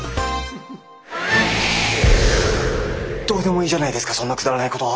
どうでもいいじゃないですかそんなくだらないこと。